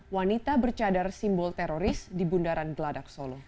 wanita bercadar simbol teroris di bundaran geladak solo